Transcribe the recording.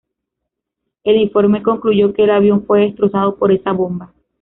El informe concluyó que el avión fue destrozado por esa bomba.